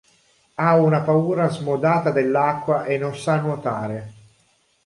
Ha una paura smodata dell'acqua e non sa nuotare.